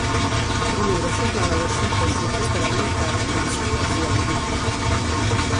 A primeira xornada do simposio estará dedicada á lexicografía bilingüe.